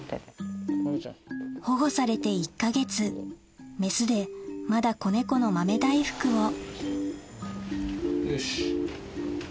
保護されて１か月メスでまだ子猫の豆大福をよし。